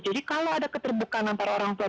jadi kalau ada keterbukaan orang tua bisa mengelaburkan